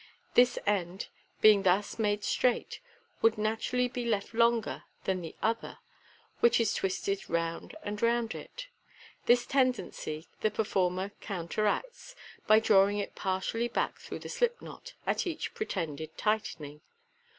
This end, being thus made Straight, would naturally be left longer than the other which is twisted round and round it. This tendency the performer counter acts by drawing it partially back through the slip knot at each pre tended tightening.